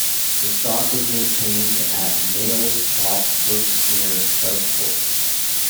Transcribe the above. The stock was maintained at Meols Cop works near Southport.